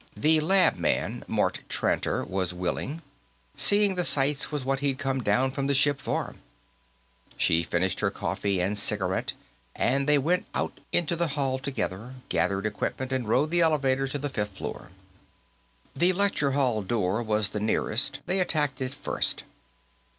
The lab man, Mort Tranter, was willing. Seeing the sights was what he'd come down from the ship for. She finished her coffee and cigarette, and they went out into the hall together, gathered equipment and rode the elevator to the fifth floor. The lecture hall door was the nearest; they attacked it first.